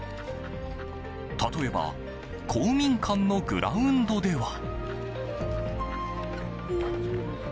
例えば公民館のグラウンドでは。